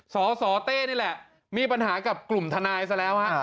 สสเต้นี่แหละมีปัญหากับกลุ่มทนายซะแล้วฮะ